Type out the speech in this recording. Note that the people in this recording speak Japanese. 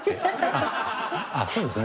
あそうですね。